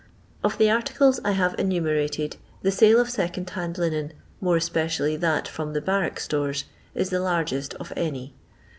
Of the articles I have enumerated the sale of second hand linen, more especially that from the barrack stores, is the largest of any.